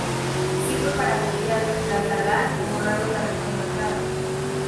Sirve para copiar, trasladar o borrar una región marcada.